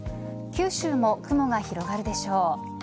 九州も雲が広がるでしょう。